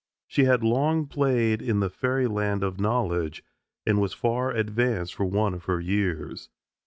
She had long played in the fairyland of knowledge, and was far advanced for one of her years.